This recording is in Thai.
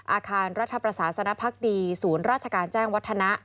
อาคารรัฐประสาสนพักดีศูนย์ราชการแจ้งวัฒนะ